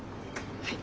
はい。